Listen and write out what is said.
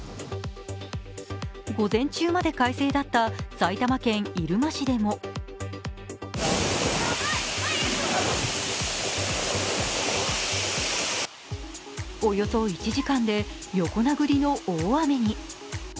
午前中まで快晴だった埼玉県入間市でもおよそ１時間で横殴りの大雨に。